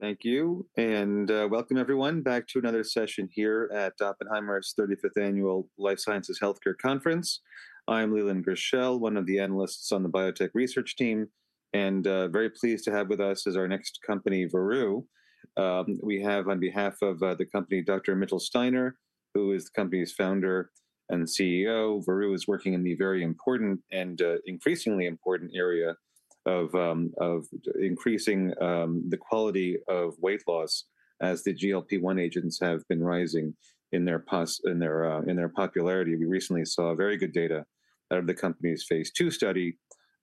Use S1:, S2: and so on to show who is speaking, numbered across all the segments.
S1: Thank you. Welcome, everyone, back to another session here at Oppenheimer's 35th Annual Life Sciences Healthcare Conference. I'm Leland Gershell, one of the analysts on the biotech research team, and very pleased to have with us is our next company, Veru. We have, on behalf of the company, Dr. Mitchell Steiner, who is the company's founder and CEO. Veru is working in the very important and increasingly important area of increasing the quality of weight loss as the GLP-1 agents have been rising in their popularity. We recently saw very good data out of the company's phase II study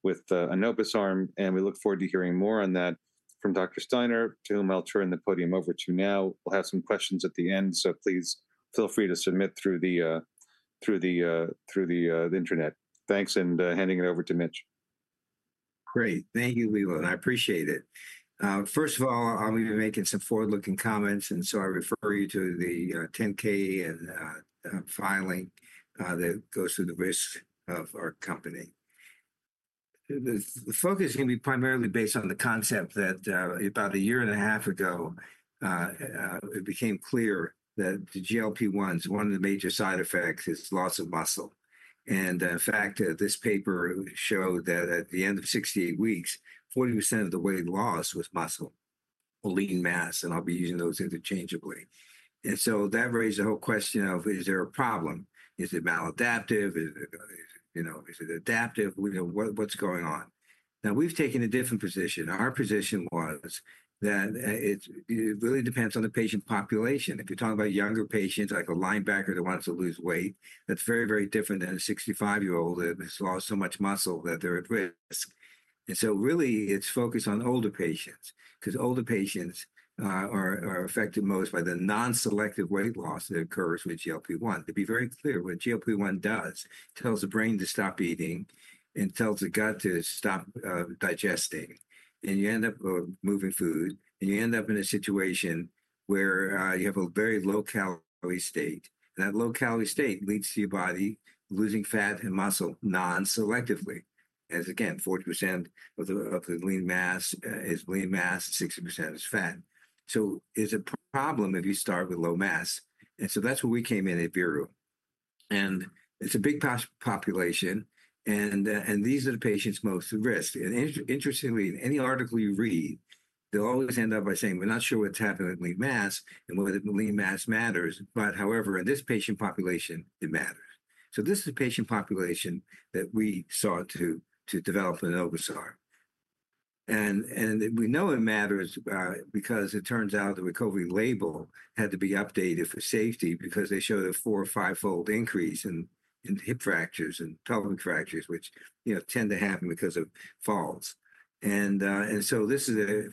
S1: with enobosarm, and we look forward to hearing more on that from Dr. Steiner, to whom I'll turn the podium over to now. We'll have some questions at the end, so please feel free to submit through the internet. Thanks, and handing it over to Mitch.
S2: Great. Thank you, Leland. I appreciate it. First of all, I'm going to be making some forward-looking comments, and so I refer you to the 10-K and filing that goes through the risk of our company. The focus is going to be primarily based on the concept that about a year and a half ago, it became clear that the GLP-1s, one of the major side effects, is loss of muscle. In fact, this paper showed that at the end of 68 weeks, 40% of the weight loss was muscle, lean mass, and I'll be using those interchangeably. That raised the whole question of, is there a problem? Is it maladaptive? You know, is it adaptive? You know, what's going on? Now, we've taken a different position. Our position was that it really depends on the patient population. If you're talking about younger patients, like a linebacker that wants to lose weight, that's very, very different than a 65-year-old that has lost so much muscle that they're at risk. It is really focused on older patients because older patients are affected most by the non-selective weight loss that occurs with GLP-1. To be very clear, what GLP-1 does tells the brain to stop eating and tells the gut to stop digesting. You end up moving food, and you end up in a situation where you have a very low-calorie state. That low-calorie state leads to your body losing fat and muscle non-selectively. As again, 40% of the lean mass is lean mass, 60% is fat. It is a problem if you start with low mass. That is where we came in at Veru. It's a big population, and these are the patients most at risk. Interestingly, in any article you read, they'll always end up by saying, "We're not sure what's happening with lean mass and whether lean mass matters." However, in this patient population, it matters. This is the patient population that we sought to develop an enobosarm. We know it matters because it turns out the recovery label had to be updated for safety because they showed a four- or five-fold increase in hip fractures and pelvic fractures, which, you know, tend to happen because of falls. This is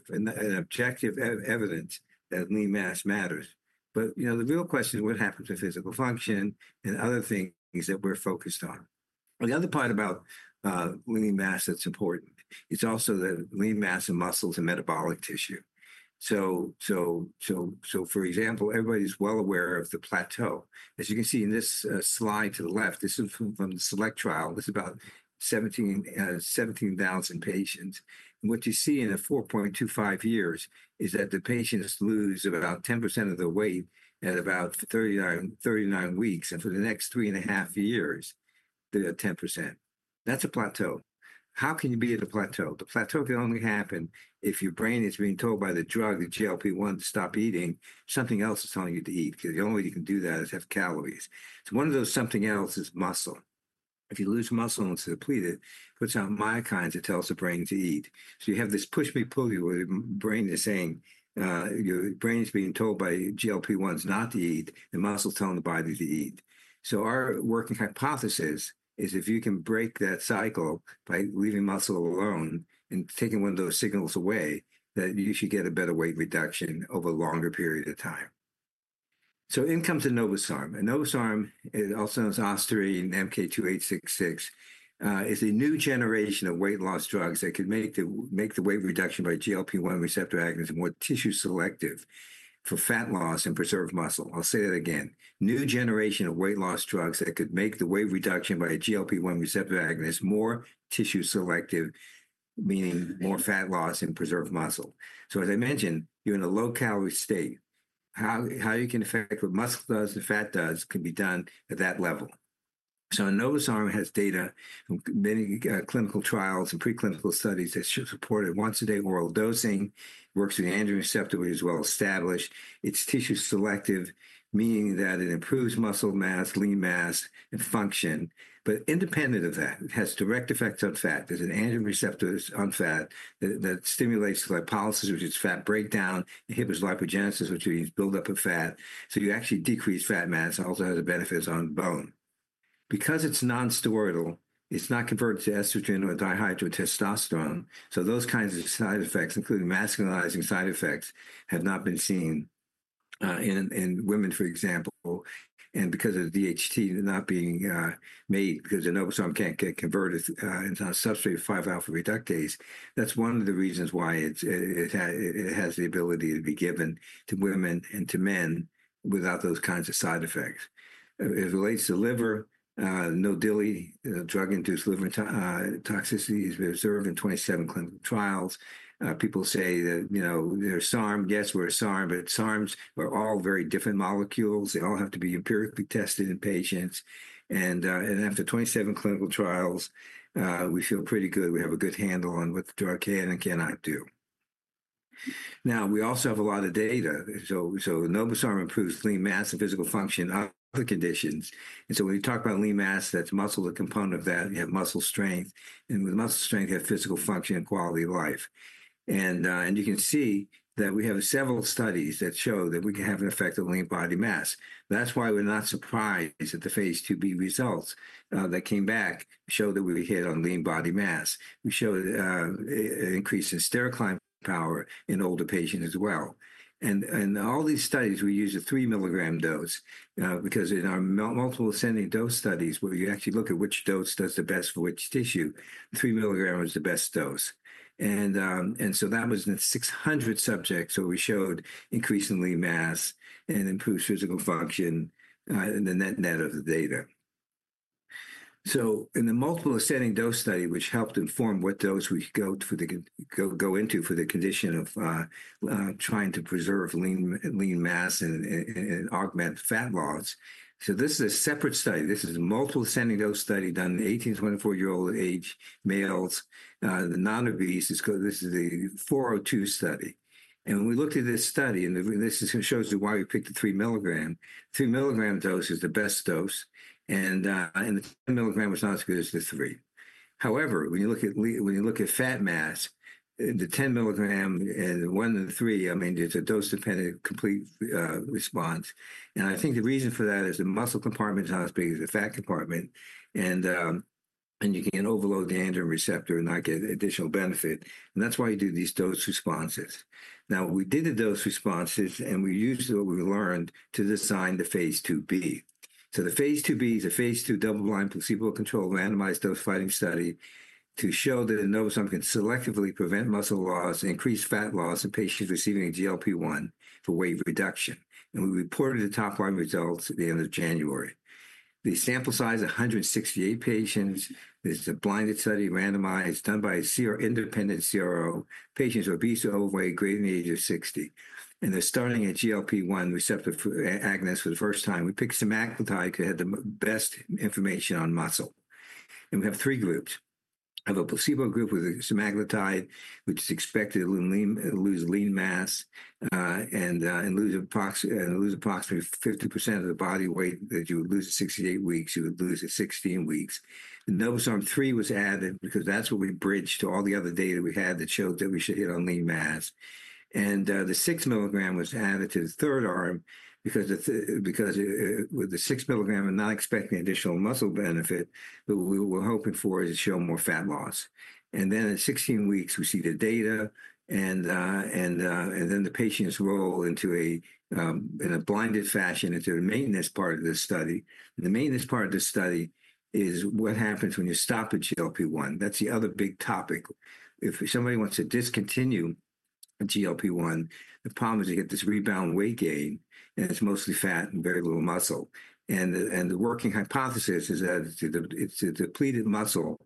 S2: objective evidence that lean mass matters. You know, the real question is what happens to physical function and other things that we're focused on. The other part about lean mass that's important, it's also the lean mass of muscles and metabolic tissue. For example, everybody's well aware of the plateau. As you can see in this slide to the left, this is from the SELECT trial. This is about 17,000 patients. And what you see in the 4.25 years is that the patients lose about 10% of their weight at about 39 weeks. For the next three and a half years, they're at 10%. That's a plateau. How can you be at a plateau? The plateau can only happen if your brain is being told by the drug, the GLP-1, to stop eating. Something else is telling you to eat because the only way you can do that is have calories. One of those something else is muscle. If you lose muscle and it's depleted, it puts out myokines that tell the brain to eat. You have this push-me-pull-you where the brain is saying, your brain is being told by GLP-1s not to eat, and muscle's telling the body to eat. Our working hypothesis is if you can break that cycle by leaving muscle alone and taking one of those signals away, that you should get a better weight reduction over a longer period of time. In comes enobosarm. Enobosarm, also known as ostarine and MK-2866, is a new generation of weight-loss drugs that could make the weight reduction by GLP-1 receptor agonists more tissue-selective for fat loss and preserve muscle. I'll say that again. New generation of weight-loss drugs that could make the weight reduction by a GLP-1 receptor agonist more tissue-selective, meaning more fat loss and preserve muscle. As I mentioned, you're in a low-calorie state. How you can affect what muscle does and fat does can be done at that level. Enobosarm has data from many clinical trials and preclinical studies that support a once-a-day oral dosing. It works with the androgen receptor, which is well established. It's tissue-selective, meaning that it improves muscle mass, lean mass, and function. Independent of that, it has direct effects on fat. There's an androgen receptor that's on fat that stimulates lipolysis, which is fat breakdown, inhibits lipogenesis, which means buildup of fat. You actually decrease fat mass and also has benefits on bone. Because it's non-steroidal, it's not converted to estrogen or dihydrotestosterone. Those kinds of side effects, including masculinizing side effects, have not been seen in women, for example. Because of the DHT not being made, because enobosarm can't get converted into a substrate of 5-alpha reductase, that's one of the reasons why it has the ability to be given to women and to men without those kinds of side effects. It relates to liver. No DILI, drug-induced liver toxicity, has been observed in 27 clinical trials. People say that, you know, there's SARM. Yes, we're a SARM, but SARMs are all very different molecules. They all have to be empirically tested in patients. After 27 clinical trials, we feel pretty good. We have a good handle on what the drug can and cannot do. We also have a lot of data. Enobosarm improves lean mass and physical function of other conditions. When you talk about lean mass, that's muscle. The component of that, you have muscle strength. With muscle strength, you have physical function and quality of life. You can see that we have several studies that show that we can have an effect on lean body mass. That is why we are not surprised that the phase II-B results that came back show that we hit on lean body mass. We showed an increase in stair climb power in older patients as well. In all these studies, we use a 3 milligram dose because in our multiple ascending dose studies, where you actually look at which dose does the best for which tissue, 3 milligram was the best dose. That was in 600 subjects where we showed increase in lean mass and improved physical function in the net net of the data. In the multiple ascending dose study, which helped inform what dose we go into for the condition of trying to preserve lean mass and augment fat loss, this is a separate study. This is a multiple ascending dose study done in 18-24-year-old aged males. The non-obese, this is a 402 study. When we looked at this study, and this shows you why we picked the 3 milligram. Three milligram dose is the best dose. The 10 milligram was not as good as the 3. However, when you look at fat mass, the 10 milligram and one of the 3, I mean, there's a dose-dependent complete response. I think the reason for that is the muscle compartment is not as big as the fat compartment. You can overload the androgen receptor and not get additional benefit. That is why you do these dose responses. Now, we did the dose responses, and we used what we learned to design the phase II-B. The phase II-B is a phase II double-blind placebo-controlled randomized dose finding study to show that enobosarm can selectively prevent muscle loss, increase fat loss in patients receiving GLP-1 for weight reduction. We reported the top line results at the end of January. The sample size is 168 patients. This is a blinded study, randomized, done by an independent CRO. Patients are obese or overweight, greater than the age of 60. They are starting a GLP-1 receptor agonist for the first time. We picked semaglutide because it had the best information on muscle. We have three groups. We have a placebo group with a semaglutide, which is expected to lose lean mass and lose approximately 50% of the body weight that you would lose at 68 weeks. You would lose at 16 weeks. Enobosarm three was added because that's what we bridged to all the other data we had that showed that we should hit on lean mass. The six milligram was added to the third arm because with the six milligram, we're not expecting additional muscle benefit. What we were hoping for is to show more fat loss. At 16 weeks, we see the data. The patients roll in a blinded fashion into the maintenance part of this study. The maintenance part of this study is what happens when you stop at GLP-1. That's the other big topic. If somebody wants to discontinue GLP-1, the problem is you get this rebound weight gain, and it's mostly fat and very little muscle. The working hypothesis is that it's a depleted muscle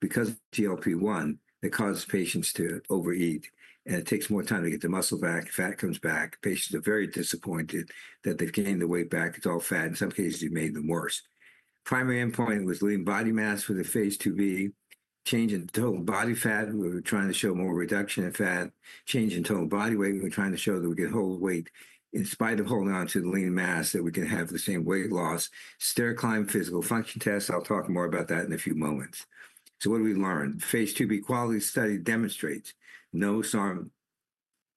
S2: because of GLP-1 that causes patients to overeat. It takes more time to get the muscle back. Fat comes back. Patients are very disappointed that they've gained the weight back. It's all fat. In some cases, it made them worse. Primary endpoint was lean body mass for the phase II-B. Change in total body fat. We were trying to show more reduction in fat. Change in total body weight. We were trying to show that we could hold weight in spite of holding on to the lean mass, that we can have the same weight loss. Stair climb physical function tests. I'll talk more about that in a few moments. What do we learn? Phase II-B quality study demonstrates enobosarm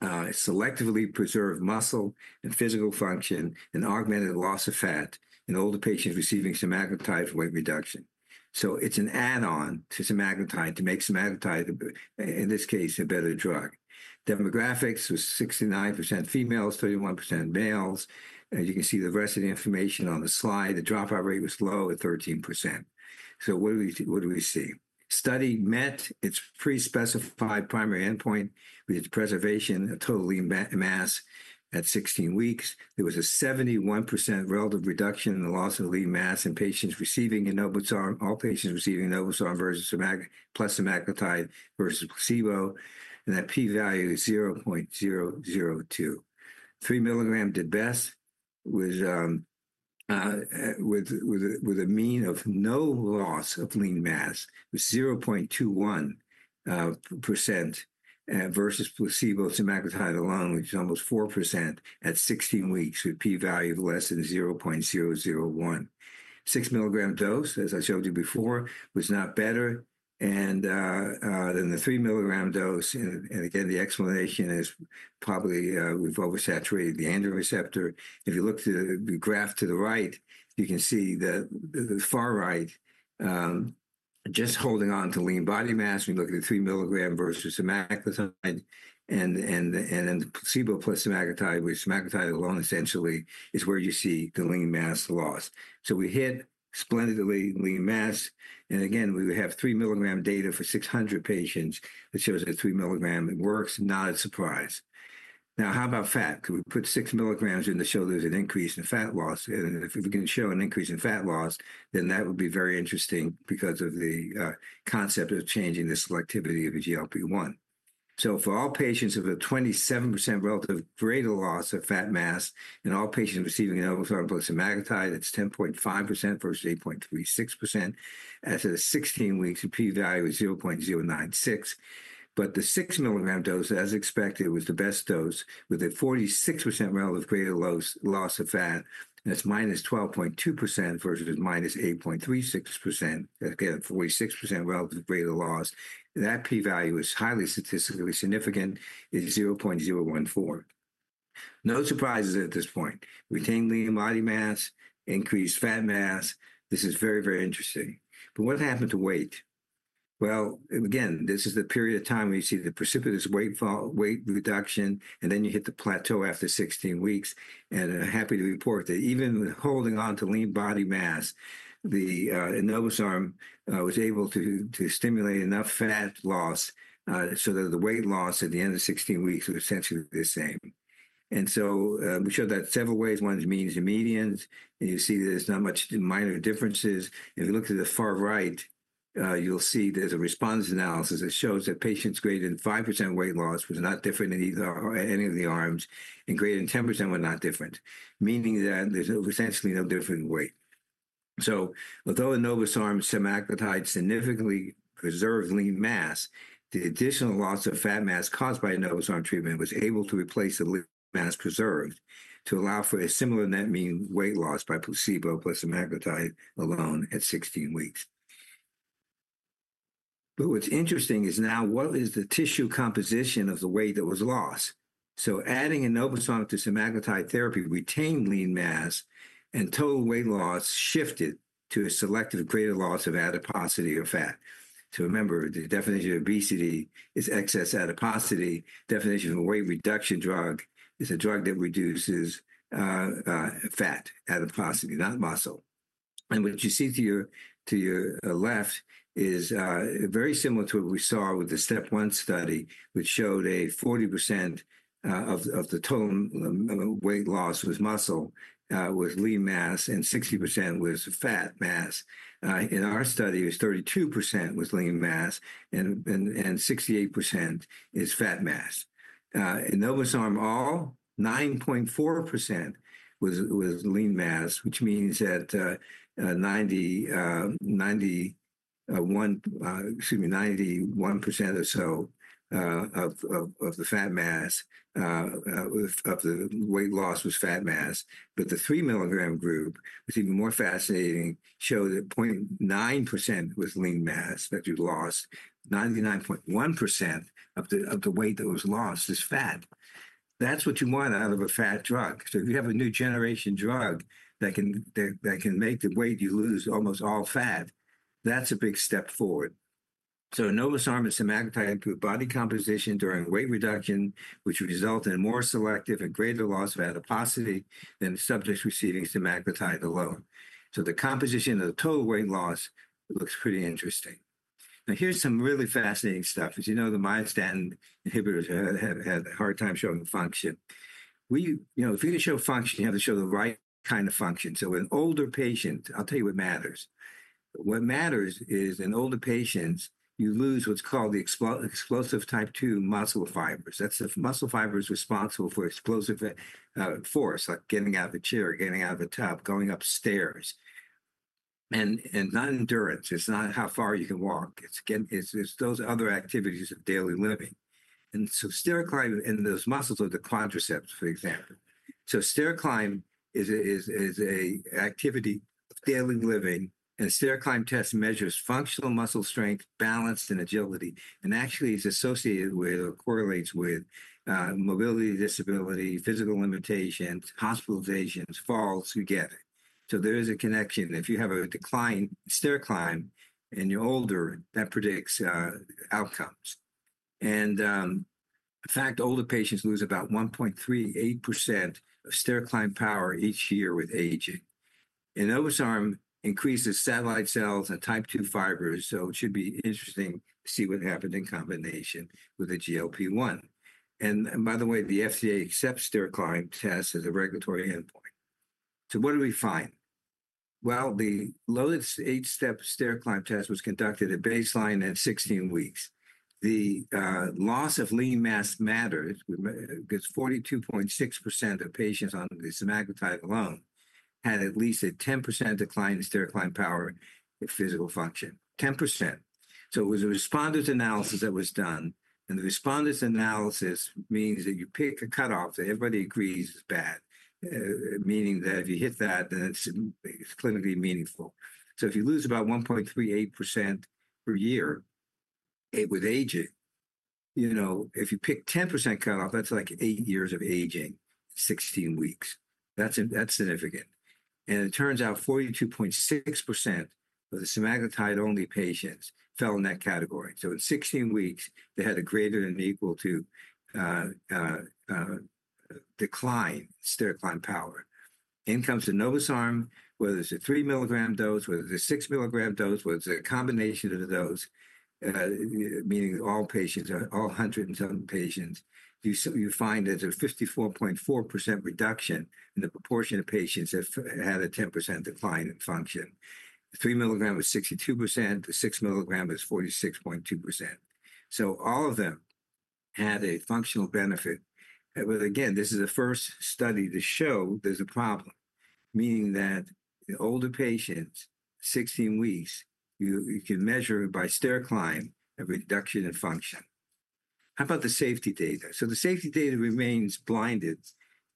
S2: selectively preserved muscle and physical function and augmented loss of fat in older patients receiving semaglutide for weight reduction. It is an add-on to semaglutide to make semaglutide, in this case, a better drug. Demographics was 69% females, 31% males. You can see the rest of the information on the slide. The dropout rate was low at 13%. What do we see? Study met its pre-specified primary endpoint with its preservation of total lean mass at 16 weeks. There was a 71% relative reduction in the loss of lean mass in patients receiving enobosarm, all patients receiving enobosarm plus semaglutide versus placebo. That p-value is 0.002. Three milligram did best with a mean of no loss of lean mass, 0.21% versus placebo semaglutide alone, which is almost 4% at 16 weeks with p-value of less than 0.001. Six milligram dose, as I showed you before, was not better than the three milligram dose. The explanation is probably we've oversaturated the androgen receptor. If you look to the graph to the right, you can see the far right just holding on to lean body mass. We look at the three milligram versus semaglutide. The placebo plus semaglutide, where semaglutide alone essentially is where you see the lean mass loss. We hit splendidly lean mass. We would have three milligram data for 600 patients. It shows that three milligram works, not a surprise. Now, how about fat? Could we put six milligrams in to show there's an increase in fat loss? If we can show an increase in fat loss, that would be very interesting because of the concept of changing the selectivity of the GLP-1. For all patients, a 27% relative greater loss of fat mass, and all patients receiving enobosarm plus semaglutide, it's 10.5% versus 8.36%. At 16 weeks, the p-value is 0.096. The 6 mg dose, as expected, was the best dose with a 46% relative greater loss of fat. That's minus 12.2% versus minus 8.36%. Again, 46% relative greater loss. That p-value is highly statistically significant. It's 0.014. No surprises at this point. Retained lean body mass, increased fat mass. This is very, very interesting. What happened to weight? This is the period of time where you see the precipitous weight reduction, and then you hit the plateau after 16 weeks. I'm happy to report that even holding on to lean body mass, the enobosarm was able to stimulate enough fat loss so that the weight loss at the end of 16 weeks was essentially the same. We showed that several ways. One is means and medians. You see there's not much minor differences. If you look to the far right, you'll see there's a response analysis that shows that patients greater than 5% weight loss was not different in any of the arms, and greater than 10% were not different, meaning that there's essentially no different weight. Although enobosarm semaglutide significantly preserved lean mass, the additional loss of fat mass caused by enobosarm treatment was able to replace the lean mass preserved to allow for a similar net mean weight loss by placebo plus semaglutide alone at 16 weeks. What's interesting is now what is the tissue composition of the weight that was lost? Adding enobosarm to semaglutide therapy retained lean mass, and total weight loss shifted to a selective greater loss of adiposity or fat. Remember, the definition of obesity is excess adiposity. Definition of a weight reduction drug is a drug that reduces fat adiposity, not muscle. What you see to your left is very similar to what we saw with the STEP 1 study, which showed 40% of the total weight loss was muscle with lean mass, and 60% was fat mass. In our study, it was 32% was lean mass, and 68% is fat mass. Enobosarm all, 9.4% was lean mass, which means that 91% or so of the weight loss was fat mass. The three milligram group, which is even more fascinating, showed that 0.9% was lean mass that you lost. 99.1% of the weight that was lost is fat. That's what you want out of a fat drug. If you have a new generation drug that can make the weight you lose almost all fat, that's a big step forward. Enobosarm and semaglutide improved body composition during weight reduction, which resulted in more selective and greater loss of adiposity than subjects receiving semaglutide alone. The composition of the total weight loss looks pretty interesting. Now, here's some really fascinating stuff. As you know, the myostatin inhibitors have a hard time showing function. If you're going to show function, you have to show the right kind of function. In older patients, I'll tell you what matters. What matters is in older patients, you lose what's called the explosive type 2 muscle fibers. That's the muscle fibers responsible for explosive force, like getting out of a chair, getting out of a tub, going upstairs. It's not endurance. It's not how far you can walk. It's those other activities of daily living. Stair climb in those muscles are the quadriceps, for example. Stair climb is an activity of daily living. Stair climb test measures functional muscle strength, balance, and agility. Actually, it's associated with or correlates with mobility disability, physical limitations, hospitalizations, falls together. There is a connection. If you have a decline in stair climb and you're older, that predicts outcomes. In fact, older patients lose about 1.38% of stair climb power each year with aging. Enobosarm increases satellite cells and type 2 fibers. It should be interesting to see what happened in combination with the GLP-1. By the way, the FDA accepts stair climb tests as a regulatory endpoint. What did we find? The lowest eight-step stair climb test was conducted at baseline at 16 weeks. The loss of lean mass matters. 42.6% of patients on the semaglutide alone had at least a 10% decline in stair climb power and physical function. 10%. It was a respondent analysis that was done. The respondent analysis means that you pick a cutoff that everybody agrees is bad, meaning that if you hit that, then it is clinically meaningful. If you lose about 1.38% per year with aging, you know if you pick 10% cutoff, that is like eight years of aging, 16 weeks. That is significant. It turns out 42.6% of the semaglutide-only patients fell in that category. At 16 weeks, they had a greater than or equal to decline in stair climb power. In comes enobosarm, whether it's a 3 milligram dose, whether it's a 6 milligram dose, whether it's a combination of the dose, meaning all patients, all 100 and some patients, you find there's a 54.4% reduction in the proportion of patients that had a 10% decline in function. The 3 milligram was 62%. The 6 milligram was 46.2%. All of them had a functional benefit. Again, this is the first study to show there's a problem, meaning that in older patients, 16 weeks, you can measure by stair climb a reduction in function. How about the safety data? The safety data remains blinded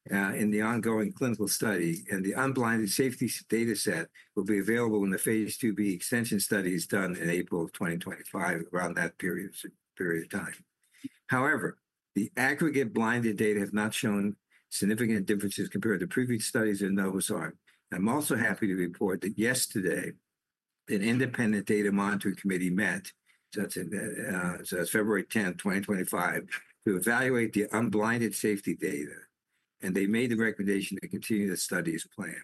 S2: in the ongoing clinical study. The unblinded safety data set will be available in the phase II-B extension studies done in April of 2025, around that period of time. However, the aggregate blinded data have not shown significant differences compared to previous studies in enobosarm. I'm also happy to report that yesterday, an independent data monitoring committee met. That was February 10, 2025, to evaluate the unblinded safety data. They made the recommendation to continue the study as planned.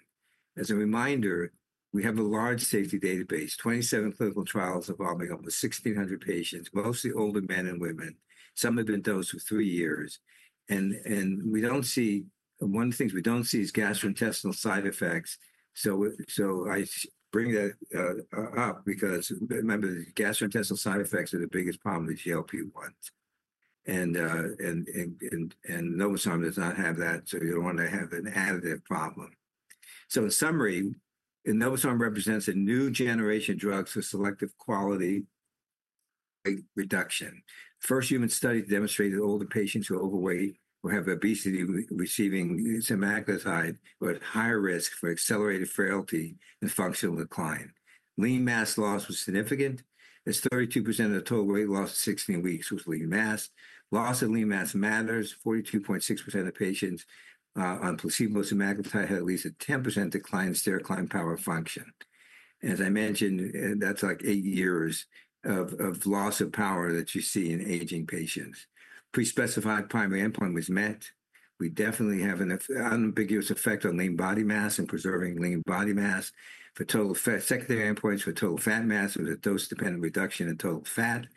S2: As a reminder, we have a large safety database, 27 clinical trials involving almost 1,600 patients, mostly older men and women. Some have been dosed for three years. One of the things we don't see is gastrointestinal side effects. I bring that up because, remember, the gastrointestinal side effects are the biggest problem with GLP-1. Enobosarm does not have that, so you don't want to have an additive problem. In summary, enobosarm represents a new generation of drugs for selective quality reduction. First human study demonstrated older patients who are overweight or have obesity receiving semaglutide were at higher risk for accelerated frailty and functional decline. Lean mass loss was significant. It's 32% of the total weight loss at 16 weeks, which was lean mass. Loss of lean mass matters. 42.6% of patients on placebo semaglutide had at least a 10% decline in stair climb power function. As I mentioned, that's like eight years of loss of power that you see in aging patients. Pre-specified primary endpoint was met. We definitely have an unambiguous effect on lean body mass and preserving lean body mass. For total secondary endpoints for total fat mass, it was a dose-dependent reduction in total fat.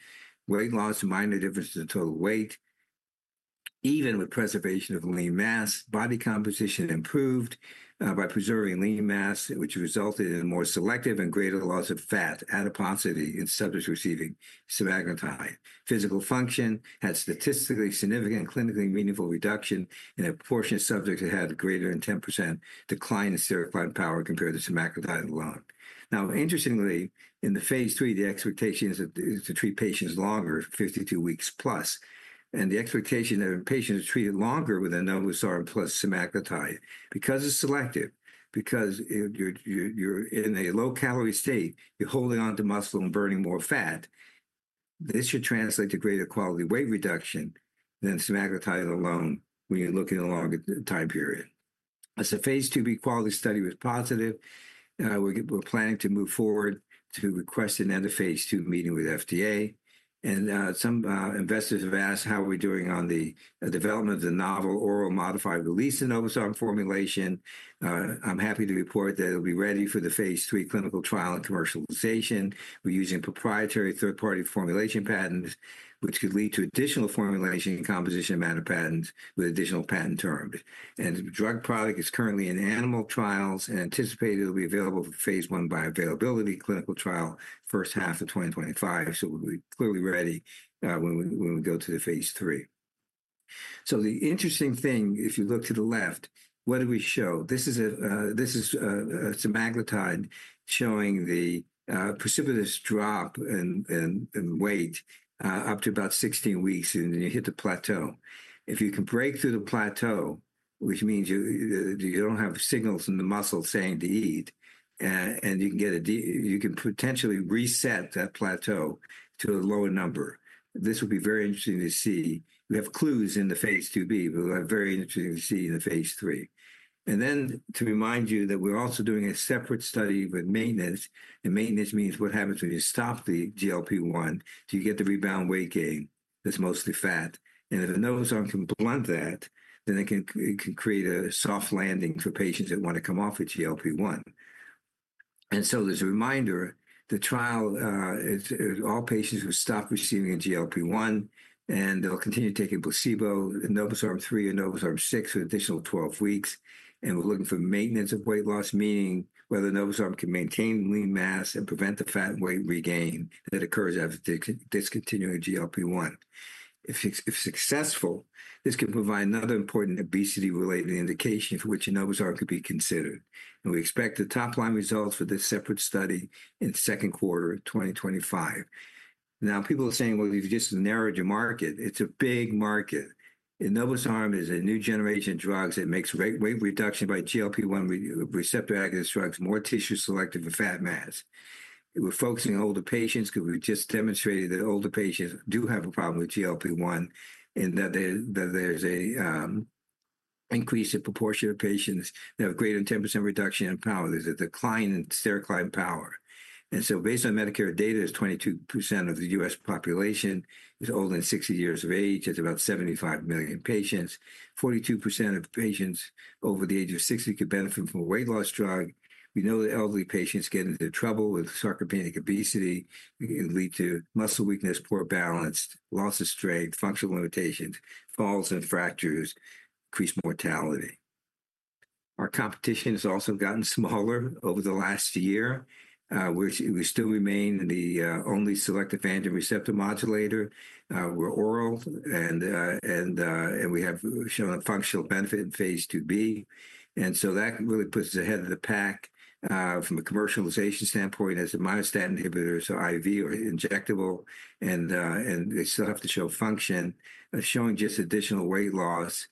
S2: Weight loss, minor difference in total weight, even with preservation of lean mass. Body composition improved by preserving lean mass, which resulted in more selective and greater loss of fat adiposity in subjects receiving semaglutide. Physical function had statistically significant and clinically meaningful reduction in a portion of subjects that had greater than 10% decline in stair climb power compared to semaglutide alone. Now, interestingly, in the phase III, the expectation is to treat patients longer, 52 weeks plus. The expectation that patients are treated longer with enobosarm plus semaglutide because it's selective, because you're in a low-calorie state, you're holding on to muscle and burning more fat. This should translate to greater quality weight reduction than semaglutide alone when you're looking at a longer time period. As a phase II-B quality study was positive, we're planning to move forward to request another phase II meeting with FDA. Some investors have asked how we're doing on the development of the novel oral modified release enobosarm formulation. I'm happy to report that it'll be ready for the phase III clinical trial and commercialization. We're using proprietary third-party formulation patents, which could lead to additional formulation and composition amount of patents with additional patent terms. The drug product is currently in animal trials and anticipated it'll be available for phase I biovailability clinical trial first half of 2025. We'll be clearly ready when we go to the phase III. The interesting thing, if you look to the left, what do we show? This is semaglutide showing the precipitous drop in weight up to about 16 weeks, and then you hit the plateau. If you can break through the plateau, which means you don't have signals in the muscle saying to eat, and you can potentially reset that plateau to a lower number. This will be very interesting to see. We have clues in the phase II-B, but it will be very interesting to see in the phase III. To remind you that we're also doing a separate study with maintenance. Maintenance means what happens when you stop the GLP-1. Do you get the rebound weight gain? That's mostly fat. If enobosarm can blunt that, then it can create a soft landing for patients that want to come off of GLP-1. There's a reminder. The trial is all patients who stop receiving GLP-1, and they'll continue taking placebo, enobosarm 3, or enobosarm 6 for an additional 12 weeks. We're looking for maintenance of weight loss, meaning whether enobosarm can maintain lean mass and prevent the fat weight regain that occurs after discontinuing GLP-1. If successful, this can provide another important obesity-related indication for which enobosarm could be considered. We expect the top-line results for this separate study in the second quarter of 2025. Now, people are saying, well, you've just narrowed your market. It's a big market. Enobosarm is a new generation of drugs that makes weight reduction by GLP-1 receptor agonist drugs more tissue-selective for fat mass. We're focusing on older patients because we've just demonstrated that older patients do have a problem with GLP-1 and that there's an increase in proportion of patients that have greater than 10% reduction in power. There's a decline in stair climb power. Based on Medicare data, there's 22% of the U.S. Population is older than 60 years of age. That's about 75 million patients. 42% of patients over the age of 60 could benefit from a weight-loss drug. We know that elderly patients get into trouble with sarcopenic obesity. It can lead to muscle weakness, poor balance, loss of strength, functional limitations, falls and fractures, increased mortality. Our competition has also gotten smaller over the last year. We still remain the only selective androgen receptor modulator. We're oral, and we have shown a functional benefit in phase II-B. That really puts us ahead of the pack from a commercialization standpoint as a myostatin inhibitor, so IV or injectable. They still have to show function. Showing just additional weight loss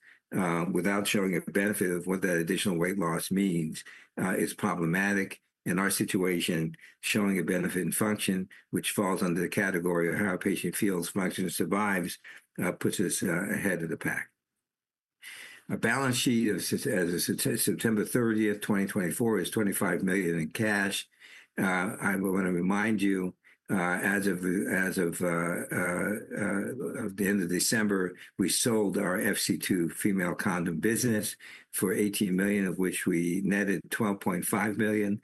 S2: without showing a benefit of what that additional weight loss means is problematic. In our situation, showing a benefit in function, which falls under the category of how a patient feels, functions, survives, puts us ahead of the pack. A balance sheet as of September 30, 2024 is $25 million in cash. I want to remind you, as of the end of December, we sold our FC2 female condom business for $18 million, of which we netted $12.5 million.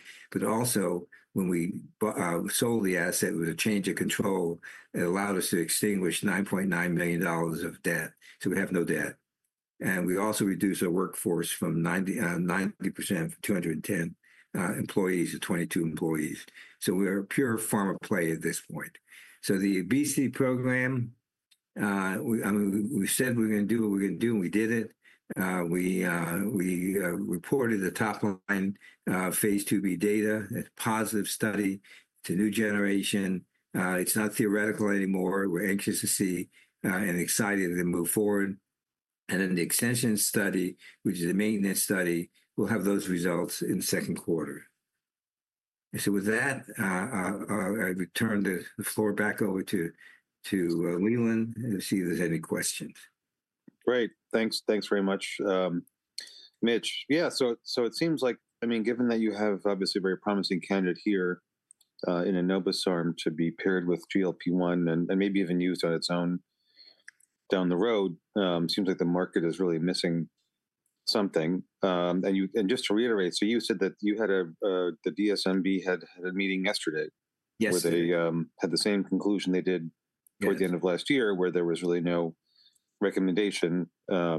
S2: Also, when we sold the asset with a change of control, it allowed us to extinguish $9.9 million of debt. We have no debt. We also reduced our workforce from 210 employees to 22 employees. We are a pure form of play at this point. The obesity program, I mean, we said we're going to do what we're going to do, and we did it. We reported the top-line phase II-B data. It's a positive study to new generation. It's not theoretical anymore. We're anxious to see and excited to move forward. The extension study, which is a maintenance study, we'll have those results in the second quarter. With that, I return the floor back over to Leland to see if there's any questions.
S1: Great. Thanks very much, Mitch. Yeah. It seems like, I mean, given that you have obviously a very promising candidate here in enobosarm to be paired with GLP-1 and maybe even used on its own down the road, it seems like the market is really missing something. Just to reiterate, you said that you had a, the DSMB had a meeting yesterday with a, had the same conclusion they did towards the end of last year where there was really no recommendation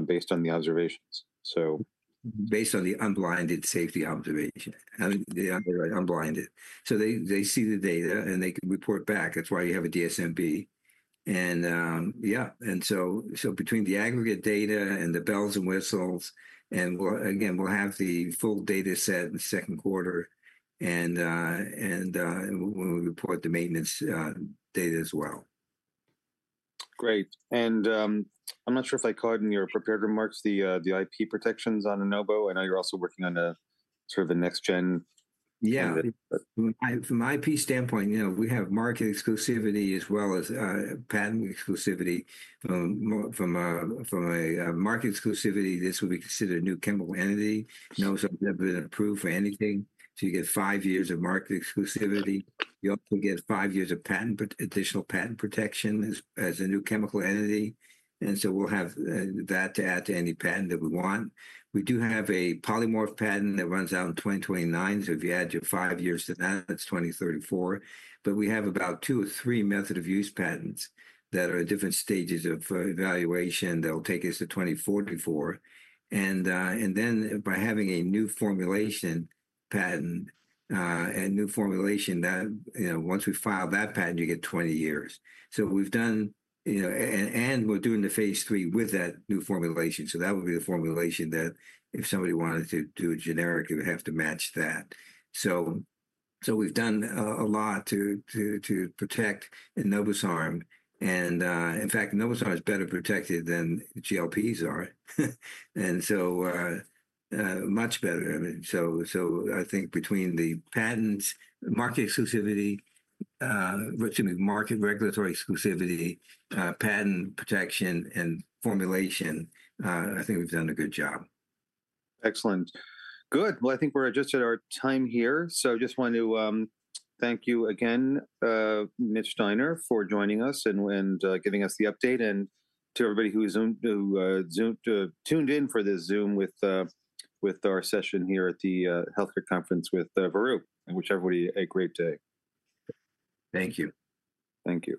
S1: based on the observations.
S2: Based on the unblinded safety observation, they see the data and they can report back. That is why you have a DSMB. Between the aggregate data and the bells and whistles, again, we will have the full data set in the second quarter. We will report the maintenance data as well.
S1: Great. I am not sure if I caught in your prepared remarks the IP protections on enobo. I know you are also working on sort of the next gen.
S2: From an IP standpoint, we have market exclusivity as well as patent exclusivity. From a market exclusivity, this would be considered a new chemical entity. No subject has been approved for anything, so you get five years of market exclusivity. You also get five years of additional patent protection as a new chemical entity. We will have that to add to any patent that we want. We do have a polymorph patent that runs out in 2029. If you add your five years to that, that's 2034. We have about two or three method-of-use patents that are at different stages of evaluation that will take us to 2044. By having a new formulation patent and new formulation, once we file that patent, you get 20 years. We have done, and we're doing the phase III with that new formulation. That would be the formulation that if somebody wanted to do a generic, it would have to match that. We have done a lot to protect enobosarm. In fact, enobosarm is better protected than GLP-1s are. So much better. I think between the patents, market exclusivity, market regulatory exclusivity, patent protection, and formulation, I think we've done a good job.
S1: Excellent. Good. I think we're just at our time here. I just want to thank you again, Mitch Steiner, for joining us and giving us the update. To everybody who tuned in for this Zoom with our session here at the healthcare conference with Veru, I wish everybody a great day.
S2: Thank you.
S1: Thank you.